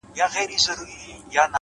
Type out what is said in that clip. علم د عقل روښانتیا ده’